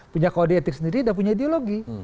punya kode etik sendiri dan punya ideologi